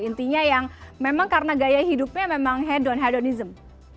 intinya yang memang karena gaya hidupnya memang head on headronism